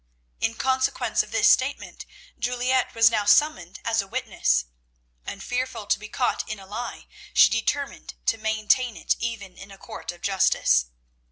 In consequence of this statement Juliette was now summoned as a witness, and, fearful to be caught in a lie, she determined to maintain it even in a court of justice.